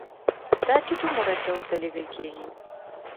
دا ټیټو مرجعو ته لیږل کیږي.